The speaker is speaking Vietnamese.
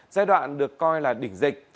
giai đoạn được coi là đỉnh dịch